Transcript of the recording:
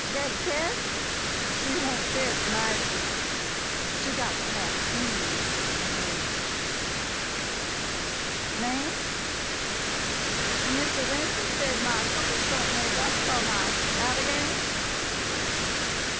Dat cat? She won't tech miceses — she got to hab cream — she has ! Ma'am? Mistah Winston says ma cookin' don' make up fo' ma 'stravagance?